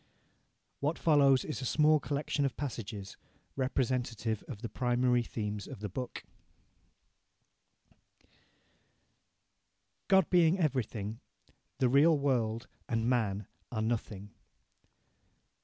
What follows is a small collection of passages representative of the primary themes of the book: "God being everything, the real world and man are nothing.